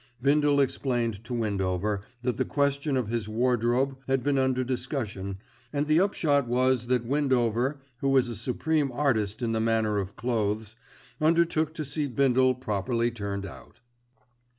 Bindle explained to Windover that the question of his wardrobe had been under discussion and the upshot was that Windover, who is a supreme artist in the matter of clothes, undertook to see Bindle properly turned out.